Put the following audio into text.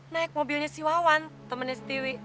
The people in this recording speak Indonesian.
naik mobilnya si wawan temennya siwi